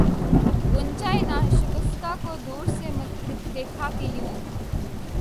غنچۂ ناشگفتہ کو دور سے مت دکھا کہ یوں